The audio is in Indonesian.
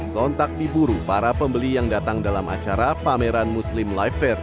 sontak diburu para pembeli yang datang dalam acara pameran muslim life fair